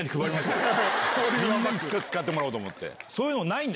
みんなに使ってもらおうと思って。